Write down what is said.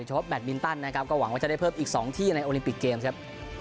เฉพาะแบตมินตันนะครับก็หวังว่าจะได้เพิ่มอีก๒ที่ในโอลิมปิกเกมส์ครับ